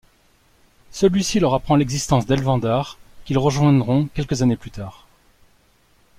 Celui-ci leur apprend l'existence d'Elvandar qu'ils rejoindront quelques années plus tard.